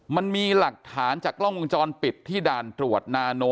มันมีหลักฐานจากกล้องวงจรปิดที่ด่านตรวจนาโน